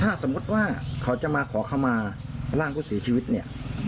ถ้าสมมุติว่าเขาจะมาขอข้อมาร่างพุธศีรภิกษ์เนี่ย